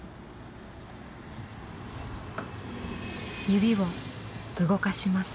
指を動かします。